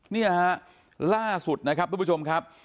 เนี่ยฮะล่าสุดนะครับทุกผู้ชมครับ